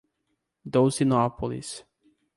Dolcinópolis